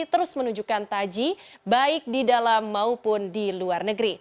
terus menunjukkan taji baik di dalam maupun di luar negeri